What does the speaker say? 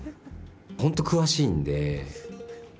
本当、詳しいんで。